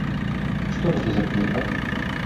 Што гэта за кніга?